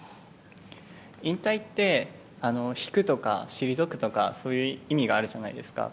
引退って、引くとか退くとかそういう意味があるじゃないですか。